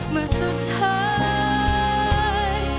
เมื่อสุดท้าย